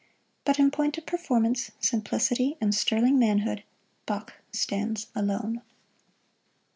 But in point of performance, simplicity and sterling manhood, Bach stands alone.